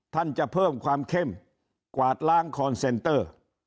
ท่านจะเพิ่มความเข้มกวาดล้างคอนเซนเตอร์